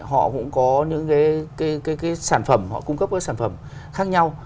họ cũng có những cái sản phẩm họ cung cấp các sản phẩm khác nhau